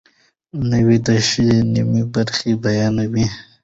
نوم د شي نیمه برخه بیانوي.